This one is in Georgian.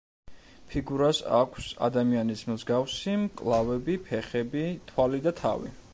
ფიგურას აქვს ადამიანის მსგავსი მკლავები, ფეხები, თვალი, და თავი.